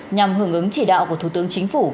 nhằm hưởng ứng chỉ đạo của thủ tướng chính phủ